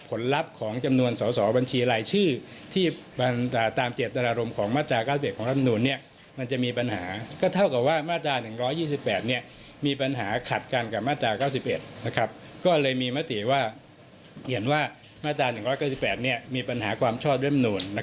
กับมาตรา๙๑ก็เลยมีมติว่าเห็นว่ามาตรา๑๙๘มีปัญหาความชอบแรมนูล